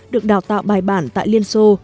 được đào tạo bài bản tại liên xô